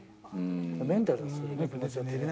メンタルですよね。